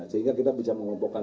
sehingga kita bisa mengelompokkan